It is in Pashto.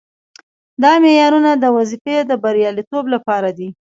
دا معیارونه د وظیفې د بریالیتوب لپاره دي.